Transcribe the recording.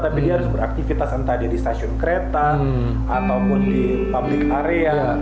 tapi dia harus beraktivitas entah dia di stasiun kereta ataupun di public area